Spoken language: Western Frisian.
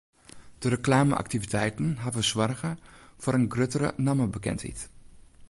De reklame-aktiviteiten hawwe soarge foar in gruttere nammebekendheid.